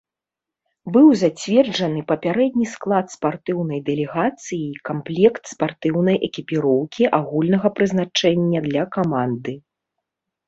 Быў зацверджаны папярэдні склад спартыўнай дэлегацыі і камплект спартыўнай экіпіроўкі агульнага прызначэння для каманды.